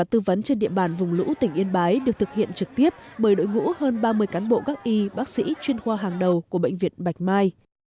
tư vấn trên địa bàn vùng lũ tỉnh yên bái được thực hiện trực tiếp bởi đội ngũ hơn ba mươi cán bộ các y bác sĩ chuyên khoa hàng đầu của bệnh viện bạch mai